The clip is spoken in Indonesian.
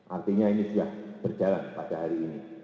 artinya ini sudah berjalan pada hari ini